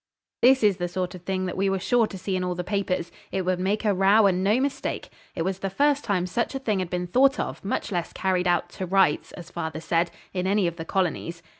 This is the sort of thing that we were sure to see in all the papers. It would make a row and no mistake. It was the first time such a thing had been thought of, much less carried out 'to rights', as father said, 'in any of the colonies.'